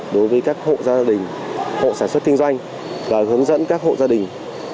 đối với các hộ gia đình hộ sản xuất kinh doanh và hướng dẫn các hộ gia đình